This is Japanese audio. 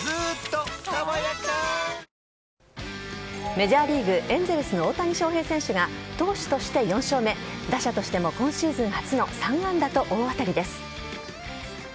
メジャーリーグエンゼルスの大谷翔平選手が投手として４勝目打者としても今シーズン初の３安打と大当たりです。